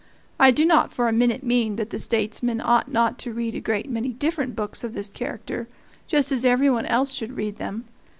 I do not for a minute mean that the statesman ought not to read a great many different books of this character, just as every one else should read them.